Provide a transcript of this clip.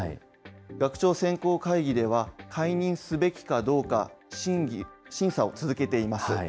学長選考会議では、解任すべきかどうか、審査を続けています。